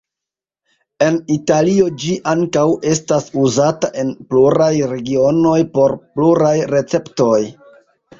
En Italio ĝi ankaŭ estas uzata en pluraj regionoj por pluraj receptoj.